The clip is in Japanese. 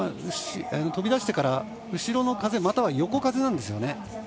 飛び出してから、後ろの風または横風なんですよね。